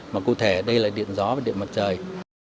mà cụ thể đây là điện gió và điện mặt trời